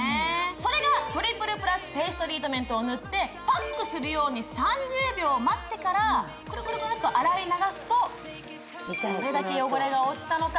それがトリプルプラスフェイストリートメントを塗ってパックするように３０秒待ってからクルクルクルッと洗い流すとどれだけ汚れが落ちたのか？